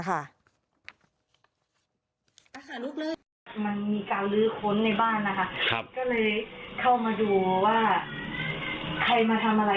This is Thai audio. ด้วยบ้านนะคะครับก็เลยเข้ามาดูว่าใครมาทำอะไร